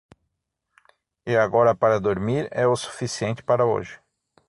E agora para dormir, é o suficiente para hoje.